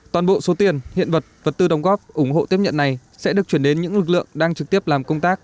toàn bộ số tiền hiện vật vật tư đồng góp ủng hộ tiếp nhận này sẽ được chuyển đến những lực lượng đang trực tiếp làm công tác